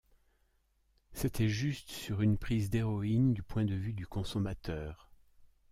C'était juste sur une prise d'héroïne du point de vue du consommateur.